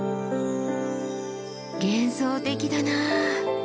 幻想的だなぁ。